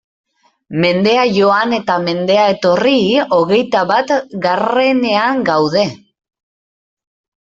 Mendea joan eta mendea etorri, hogeita batgarrenean gaude!